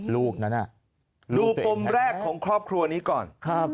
ลูกนั้นดูปมแรกของครอบครัวนี้ก่อน